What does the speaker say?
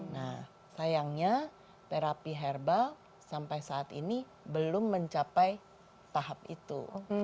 nah sayangnya terapi herbal sampai saat ini belum mencapai tahap itu